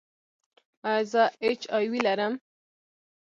ایا زه ایچ آی وي لرم؟